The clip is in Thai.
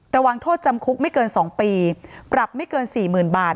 ระวังโทษจำคุกไม่เกิน๒ปีปรับไม่เกิน๔๐๐๐บาท